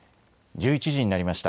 １１時になりました。